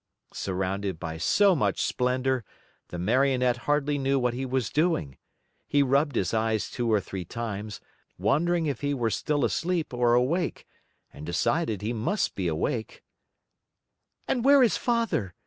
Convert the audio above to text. Surrounded by so much splendor, the Marionette hardly knew what he was doing. He rubbed his eyes two or three times, wondering if he were still asleep or awake and decided he must be awake. "And where is Father?"